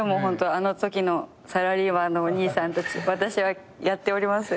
あのときのサラリーマンのお兄さんたち私はやっておりますよ。